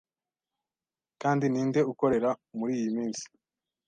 Kandi ninde ukorera muriyi minsi?